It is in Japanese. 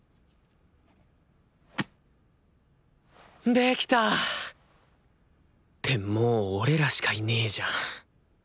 できた！ってもう俺らしかいねじゃん。